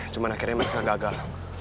cuman akhirnya mereka gagal